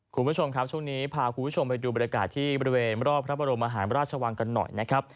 คุณผู้ชมครับช่วงนี้พาคุณผู้ชมไปดูบรรยากาศที่บริเวณรอบพระบรมหารราชวังกันหน่อยนะครับ